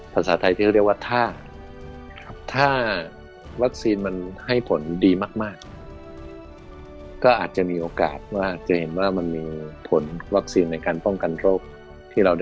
ภาษาไทยที่เค้าเรียกว่าถ้า